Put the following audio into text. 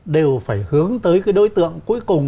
đều phải hướng tới cái đối tượng cuối cùng